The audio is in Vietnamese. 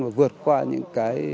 và vượt qua những cái